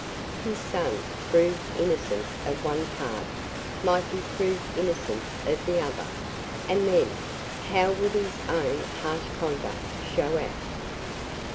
His son, proved innocent of one part, might be proved innocent of the other; and then how would his own harsh conduct show out!